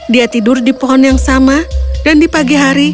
dia tidur di pohon yang sama dan di pagi hari